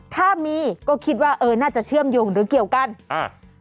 ถ้ามีก็คิดว่าเออน่าจะเชื่อมโยงหรือเกี่ยวกันอ่า